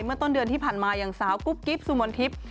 เมื่อต้นเดือนที่ผ่านมาอย่างสาวกุ๊บกิ๊บสุมนทิพย์